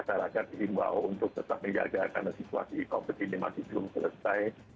masyarakat dihimbau untuk tetap menjaga karena situasi covid ini masih belum selesai